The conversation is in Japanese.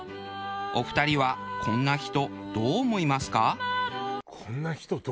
お二人は「こんな人どう思いますか？」。